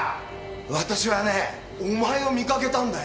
私はねお前を見かけたんだよ